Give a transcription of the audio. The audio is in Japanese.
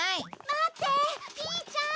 待ってピーちゃん！